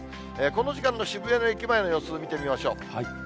この時間の渋谷の駅前の様子見てみましょう。